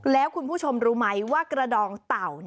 แล้วคุณผู้ชมรู้ไหมว่ากระดองเต่า